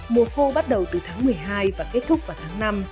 mùa khô bắt đầu từ tháng một mươi hai và kết thúc vào tháng năm